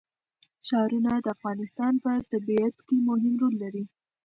ښارونه د افغانستان په طبیعت کې مهم رول لري.